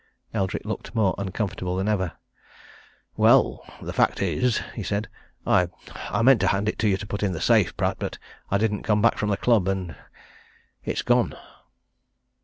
Eldrick looked more uncomfortable than ever. "Well the fact is," he said, "I I meant to hand it to you to put in the safe, Pratt, but I didn't come back from the club. And it's gone!"